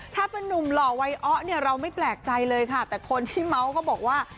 ถ้าเป็นนุ่มหล่อวัยอ้อเนี่ยเราไม่แปลกใจเลยค่ะแต่คนที่เมาส์ก็บอกว่า